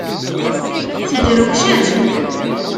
Tedrewcem?